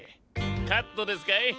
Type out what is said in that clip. カットですかい？